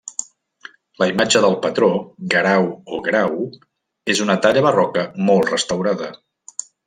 La imatge del patró, Guerau o Grau, és una talla barroca molt restaurada.